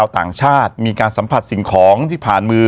ต่างชาติมีการสัมผัสสิ่งของที่ผ่านมือ